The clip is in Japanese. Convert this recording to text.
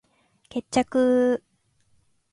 決着ゥゥゥゥゥ！